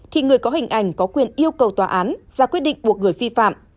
thì người có hình ảnh có quyền yêu cầu tòa án ra quyết định buộc người vi phạm